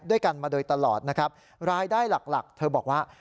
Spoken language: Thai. ด้วยกันมาโดยตลอดนะครับรายได้หลักหลักเธอบอกว่า